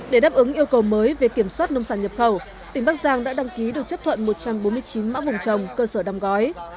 để đáp ứng yêu cầu mới về kiểm soát nông sản nhập khẩu tỉnh bắc giang đã đăng ký được chấp thuận một trăm bốn mươi chín mã vùng trồng cơ sở đâm gói